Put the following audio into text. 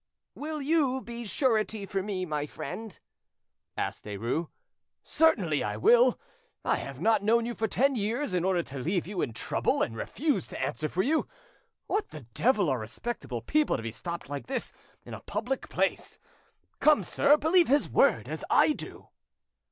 "Will you be surety for me, my friend?" asked Derues. "Certainly I will; I have not known you for ten years in order to leave you in trouble and refuse to answer for you. What the devil are respectable people to be stopped like this in a public place? Come, sir, believe his word, as I do."